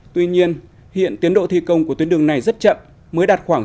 tuy nhiên hiện tiến độ thi công của tuyến đường này rất chậm mới đạt khoảng sáu mươi